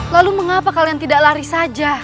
lalu mengapa kalian tidak lari saja